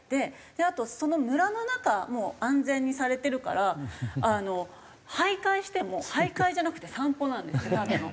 あとその村の中も安全にされてるから徘徊しても徘徊じゃなくて散歩なんですただの。